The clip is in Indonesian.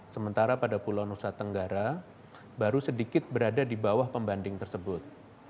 sementara pada pulau nusa tenggara baru sedikit berada di bawah pembanding tersebut